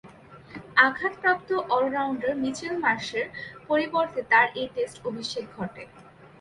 আঘাতপ্রাপ্ত all rounder Mitchell মার্শের পরিবর্তে তার এ টেস্ট অভিষেক ঘটে।